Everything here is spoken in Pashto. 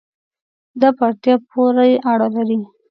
دا په اړتیا پورې اړه لري